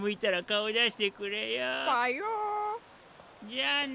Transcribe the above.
じゃあな。